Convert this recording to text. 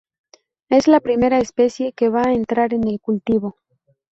Es la primera especie que va a entrar en el cultivo.